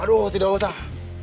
aduh tidak usah